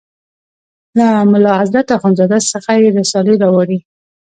له ملا حضرت اخوند زاده څخه یې رسالې راوړې.